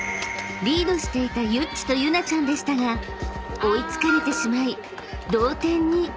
［リードしていたユッチとユナちゃんでしたが追い付かれてしまい同点に］